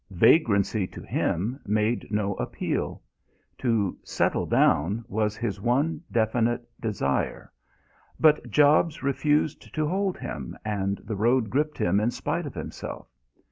Vagrancy to him made no appeal. To "settle down" was his one definite desire. But jobs refused to hold him, and the road gripped him in spite of himself.